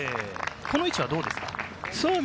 この位置はどうですか？